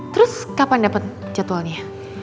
terus kapan dapet jadwalnya